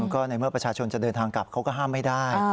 ก็ในเมื่อประชาชนจะเดินทางกลับเขาก็ห้ามไม่ได้